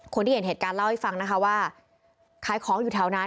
คนที่เห็นเหตุการณ์เล่าให้ฟังนะคะว่าขายของอยู่แถวนั้น